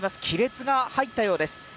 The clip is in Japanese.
亀裂が入ったようです。